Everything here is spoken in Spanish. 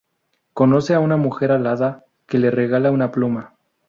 Conoce a una mujer alada que le regala una pluma.